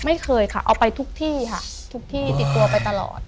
ไม่เคยค่ะเอาไปทุกที่ค่ะทุกที่ติดตัวไปตลอด